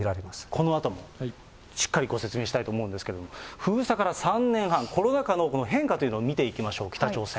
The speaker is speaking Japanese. このあともしっかりご説明したいと思うんですけれども、封鎖から３年半、コロナ禍の変化というのを見ていきましょう、北朝鮮。